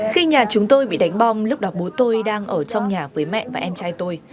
khi nhà chúng tôi bị đánh bong lúc đó bố tôi đang ở trong nhà với mẹ và em trai tôi